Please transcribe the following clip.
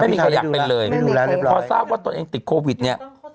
ไม่ดูแลมายังไง